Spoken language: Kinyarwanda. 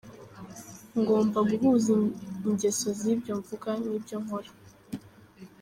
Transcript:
Ngomba guhuza ingeso z’ibyo mvuga n’ibyo nkora.